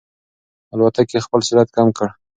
الوتکې خپل سرعت کم کړ.